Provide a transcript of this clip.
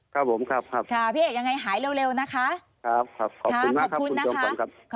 ครับผมครับครับค่ะพี่เอกยังไงหายเร็วเร็วนะคะครับครับขอบคุณมากครับคุณผู้ชมค่ะ